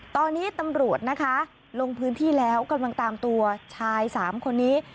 ตอนนี้ตำรวจนะคะลงพื้นที่แล้วกำลังตามตัวชาย๓คนนี้